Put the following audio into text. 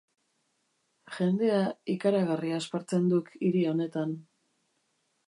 Jendea ikaragarri aspertzen duk hiri honetan.